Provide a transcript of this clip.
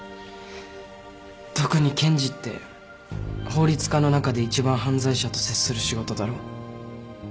特に検事って法律家の中で一番犯罪者と接する仕事だろ？